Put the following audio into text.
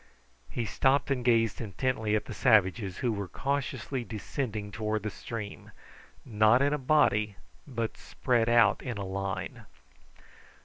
He stopped and gazed intently at the savages, who were cautiously descending towards the stream, not in a body but spread out in a line.